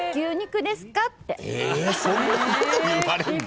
そんなこと言われんの？